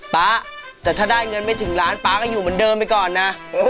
ป๊าแต่ถ้าได้เงินไม่ถึงล้านป๊าก็อยู่เหมือนเดิมไปก่อนนะ